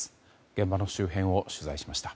現場の周辺を取材しました。